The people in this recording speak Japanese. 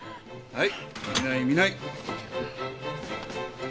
はい。